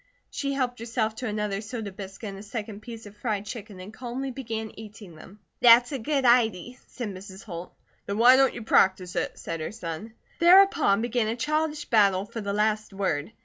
She helped herself to another soda biscuit and a second piece of fried chicken and calmly began eating them. "That's a good idy!" said Mrs. Holt. "Then why don't you practice it?" said her son. Thereupon began a childish battle for the last word.